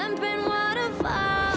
agnes mo menurutnya